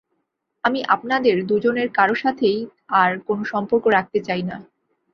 আমি আপনাদের দুজনের কারো সাথেই আর কোনো সম্পর্ক রাখতে চাই না।